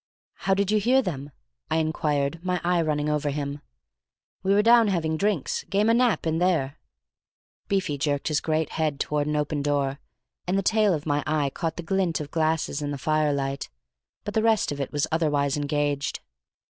"How did you hear them?" I inquired, my eye running over him. "We were down having drinks—game o' Nap—in there." Beefy jerked his great head toward an open door, and the tail of my eye caught the glint of glasses in the firelight, but the rest of it was otherwise engaged.